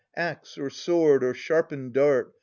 Axe or sword or sharpened dart.